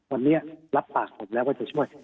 วันนี้รับปากผมแล้วว่าจะช่วย